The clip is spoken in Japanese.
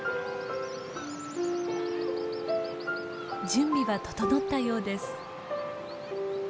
準備は整ったようです。